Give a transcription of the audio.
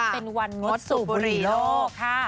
เป็นวันงดสูบบุหรี่โลกค่ะ